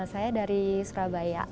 saya dari surabaya